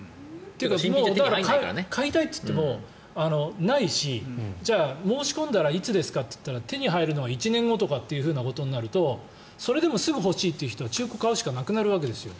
でも買いたいといっても、ないしじゃあ、申し込んだらいつですか？と言ったら手に入るのは１年ごとなるとそれでもすぐ欲しいという人は中古を買うしかなくなるわけですよ。